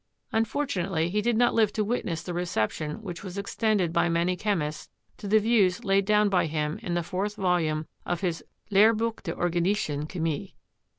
Unfortunately he did not live to witness the reception which was extended by many chemists to the views laid down by him in the fourth volume of his "Lehr buch der Organischen Chemie."